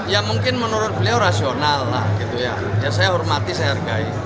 ya mungkin menurut beliau rasional lah gitu ya saya hormati saya hargai